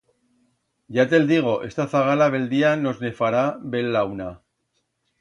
Ya te'l digo, esta zagala bel día nos ne fará bel·launa.